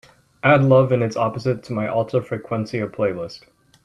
Add Love and Its Opposite to my Alta Frecuencia playlist.